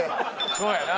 そうやな。